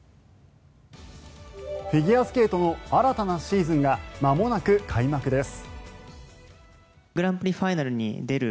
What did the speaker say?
フィギュアスケートの新たなシーズンがまもなく開幕です。